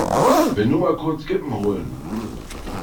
Bin nur mal kurz Kippen holen!